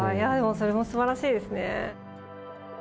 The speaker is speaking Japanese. それもすばらしいですね。